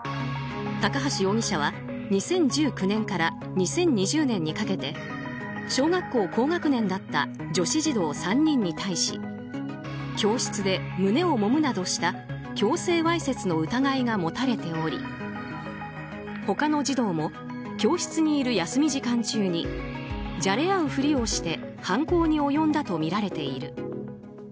高橋容疑者は２０１９年から２０２０年にかけて小学校高学年だった女子児童３人に対し教室で胸をもむなどした強制わいせつの疑いが持たれており他の児童も教室にいる休み時間中にじゃれ合うふりをして犯行に及んだとみられている。